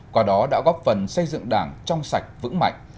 qua đó đã góp phần xây dựng đảng trong sạch vững mạnh